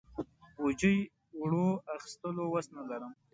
بوجۍ اوړو اخستلو وس نه لرم.